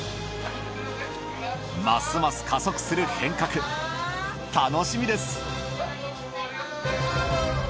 ますます加速する変革楽しみです。